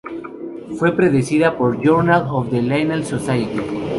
Fue precedida por "Journal of the Linnean Society.